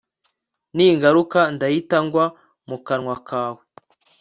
ningaruka ndahita ngwa mu kanwa kawe»